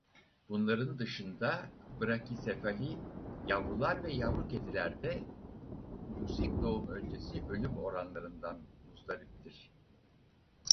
Bunların dışında brakisefali yavrular ve yavru kediler de yüksek doğum öncesi ölüm oranlarından muzdariptir.